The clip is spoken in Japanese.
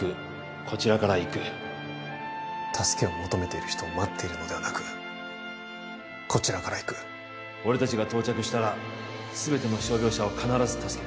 こちらから行く助けを求めている人を待っているのではなくこちらから行く俺達が到着したら全ての傷病者を必ず助ける